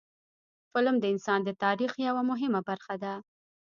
فلم د انسان د تاریخ یوه مهمه برخه ده